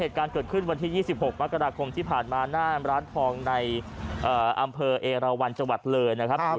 เหตุการณ์เกิดขึ้นวันที่๒๖มกราคมที่ผ่านมาหน้าร้านทองในอำเภอเอราวันจังหวัดเลยนะครับ